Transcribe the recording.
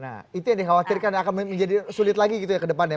nah itu yang dikhawatirkan akan menjadi sulit lagi gitu ya ke depannya